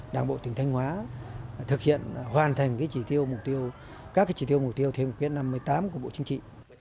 đảng bộ tỉnh thanh hóa thực hiện hoàn thành các chỉ tiêu mục tiêu thêm quyết năm hai nghìn một mươi tám của bộ chính trị